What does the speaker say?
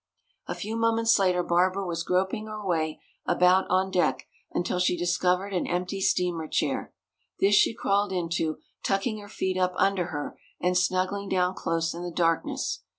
A few moments later Barbara was groping her way about on deck until she discovered an empty steamer chair. This she crawled into, tucking her feet up under her and snuggling down close in the darkness.